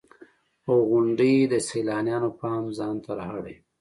• غونډۍ د سیلانیانو پام ځان ته را اړوي.